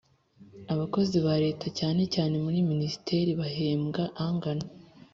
Abakozi ba Leta cyane cyane muri minisiteri bahembwa angana.